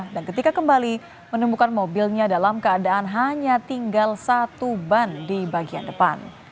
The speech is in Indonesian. dan ketika kembali menemukan mobilnya dalam keadaan hanya tinggal satu ban di bagian depan